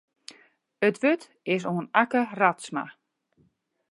It wurd is oan Akke Radsma.